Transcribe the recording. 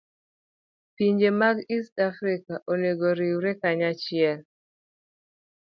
Pinje mag East Africa onego oriwre kanyachiel.